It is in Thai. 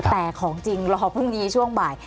แต่ของจริงรอพรุ่งนี้ช่วงบ่าย